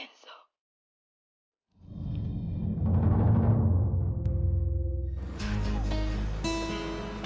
kenzo jangan bergerak gerak